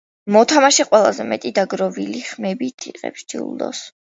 მოთამაშე ყველაზე მეტი დაგროვილი ხმებით იღებს ჯილდოს.